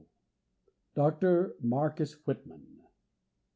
Doctor Marcus Whitman.